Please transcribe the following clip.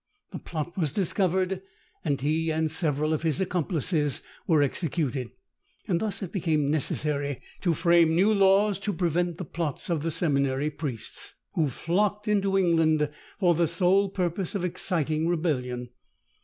The plot was discovered, and he and several of his accomplices were executed. Thus it became necessary to frame new laws to prevent the plots of the seminary priests, who flocked into England for the sole purpose of exciting rebellion.